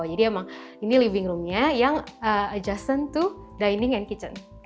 jadi emang ini living roomnya yang adjacent to dining and kitchen